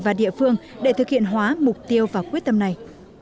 và địa phương để thực hiện hóa mục tiêu và quyết tâm này